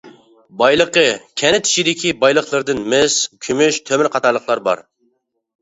بايلىقى كەنت ئىچىدىكى بايلىقلىرىدىن مىس، كۈمۈش، تۆمۈر قاتارلىقلار بار.